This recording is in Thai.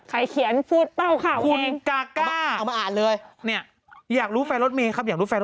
ใครเขียนพูดเต้าข่าวเอง